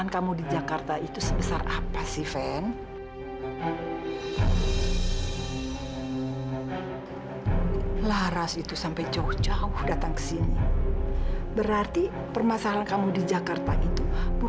kamu benci sama sahabat kamu itu